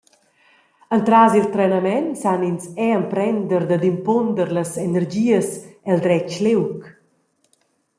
Entras il trenament san ins era emprender dad impunder las energias el dretg liug.